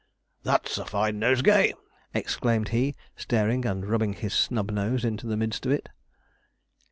'That's a fine nosegay!' exclaimed he, staring and rubbing his snub nose into the midst of it.